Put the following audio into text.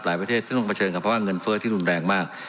หลายประเทศที่ต้องเผชิญกับเงินเฟ้อที่รุนแรงมาก